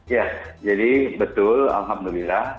ya jadi betul alhamdulillah